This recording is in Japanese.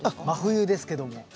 真冬ですけども。